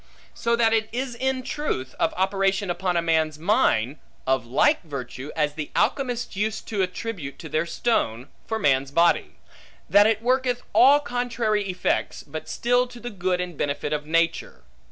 So that it is in truth, of operation upon a man's mind, of like virtue as the alchemists use to attribute to their stone, for man's body; that it worketh all contrary effects, but still to the good and benefit of nature.